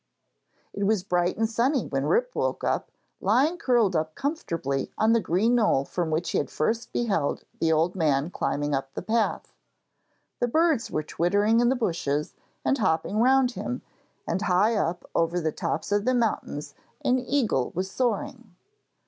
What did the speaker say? It was bright and sunny when Rip woke, lying curled up comfortably on the green knoll from which he had first beheld the old man climbing up the path. The birds were twittering in the bushes and hopping round him, and high up over the tops of the mountains an eagle was soaring.